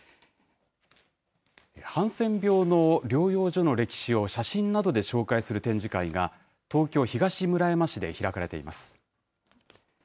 ハンセン病の療養所の歴史を写真などで紹介する展示会が、東京・東村山市で開かれています。